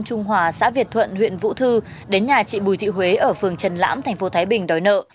trung hòa xã việt thuận huyện vũ thư đến nhà chị bùi thị huế ở phường trần lãm thành phố thái bình đòi nợ